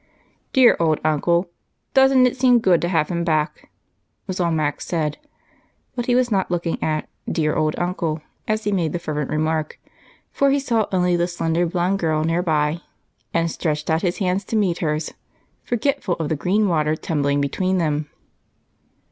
"Dear old Uncle! Doesn't it seem good to have him back?" was all Mac said, but he was not looking at "dear old uncle" as he made the fervent remark, for he saw only the slender blond girl nearby and stretched out his hands to meet hers, forgetful of the green water tumbling between them.